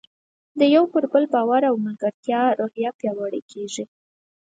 د یو پر بل باور او ملګرتیا روحیه پیاوړې کیږي.